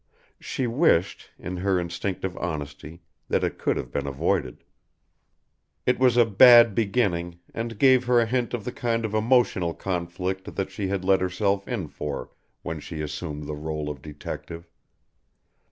She wished, in her instinctive honesty, that it could have been avoided. It was a bad beginning, and gave her a hint of the kind of emotional conflict that she had let herself in for when she assumed the rôle of detective.